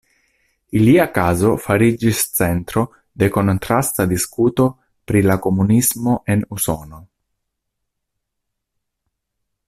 Ilia kazo fariĝis centro de kontrasta diskuto pri la komunismo en Usono.